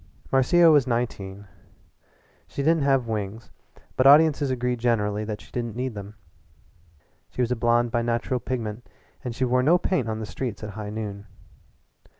Marcia was nineteen. She didn't have wings, but audiences agreed generally that she didn't need them. She was a blonde by natural pigment, and she wore no paint on the streets at high noon.